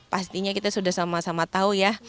pastinya kita sudah sama sama tahu ya